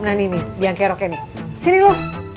nah nih nih diangkeroknya nih sini lo